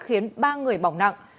khiến ba người bỏng nặng